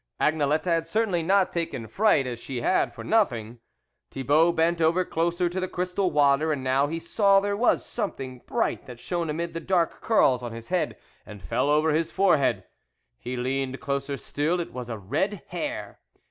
Agnelette had certainly not taken fright as she had, for nothing Thibault bent over closer to the crystal water ; and now he saw there was some thing bright that shone amid the dark curls on his head and fell over his fore head. He leaned closer still it was red hair.